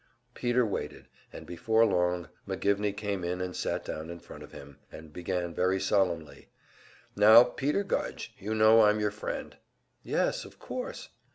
Peter waited, and before long McGivney came in and sat down in front of him, and began very solemnly: "Now Peter Gudge, you know I'm your friend." "Yes, of course."